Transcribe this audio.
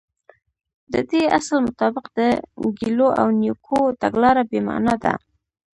د دې اصل مطابق د ګيلو او نيوکو تګلاره بې معنا ده.